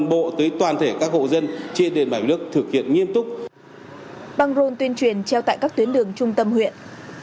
băng rôn tuyên truyền treo tại các tuyến đường trung tâm huyện